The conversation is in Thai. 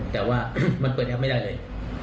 แต่ว่ามันเปิดแอปไม่ได้เลย